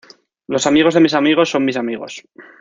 Los amigos de mis amigos son mis amigos